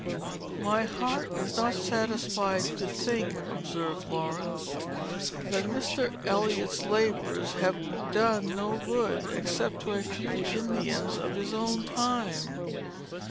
"My heart is not satisfied to think," observed Laurence, "that Mr. Eliot's labors have done no good, except to a few Indians of his own time.